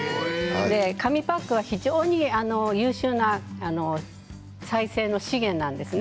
紙パックは非常に優秀な再生の資源なんですね。